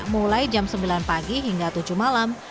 mulai jam sembilan pagi hingga tujuh malam